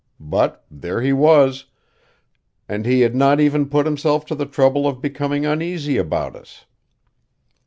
But there he was; and he had not even put himself to the trouble of becoming uneasy about us.